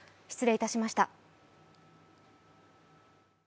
失礼いたしました。